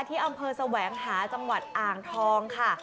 ที่อำเภอแสวงหาจังหวัดอ่างทองค่ะ